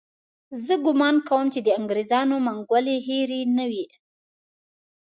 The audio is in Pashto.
زه ګومان کوم چې د انګریزانو منګولې هېرې نه وي.